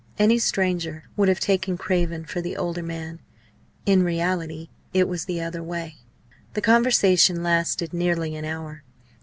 Any stranger would have taken Craven for the older man; in reality it was the other way. The conversation lasted nearly an hour.